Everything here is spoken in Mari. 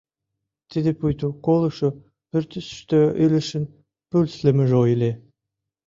Тиде пуйто колышо пӱртӱсыштӧ илышын пульслымыжо ыле.